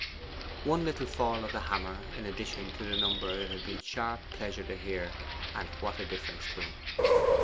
One little fall of the hammer in addition to the number it had been sharp pleasure to hear, and what a difference to him!